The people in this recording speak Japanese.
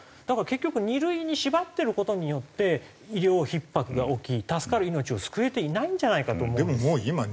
だから結局２類に縛ってる事によって医療ひっ迫が起き助かる命を救えていないんじゃないかと思うんですよ。